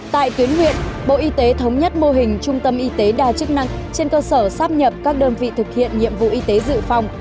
tại tuyến huyện bộ y tế thống nhất mô hình trung tâm y tế đa chức năng trên cơ sở sắp nhập các đơn vị thực hiện nhiệm vụ y tế dự phòng